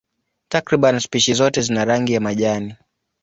Takriban spishi zote zina rangi ya majani.